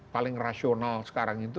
paling rasional sekarang itu